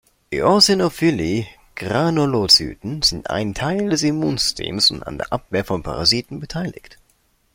Eosinophile Granulozyten sind ein Teil des Immunsystems und an der Abwehr von Parasiten beteiligt.